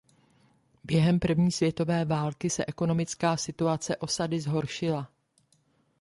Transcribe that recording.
Během první světové války se ekonomická situace osady zhoršila.